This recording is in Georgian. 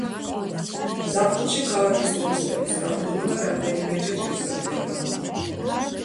ზაფხულში ქალაქის ტურისტების რაოდენობა რამდენიმეჯერ იზრდება.